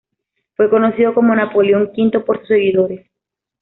Fue conocido como Napoleón V por sus seguidores.